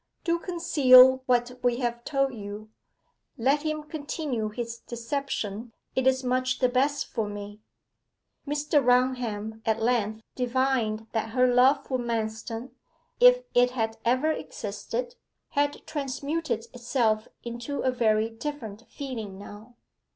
Do conceal what we have told you. Let him continue his deception it is much the best for me.' Mr. Raunham at length divined that her love for Manston, if it had ever existed, had transmuted itself into a very different feeling now.